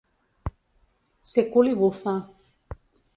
Ser cul i bufa.